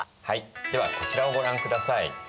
はいではこちらをご覧ください。